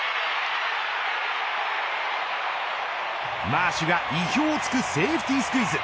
マーシュが意表を突くセーフティースクイズ。